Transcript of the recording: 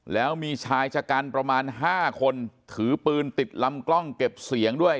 แล้วมีชายชะกันประมาณ๕คนถือปืนติดลำกล้องเก็บเสียงด้วย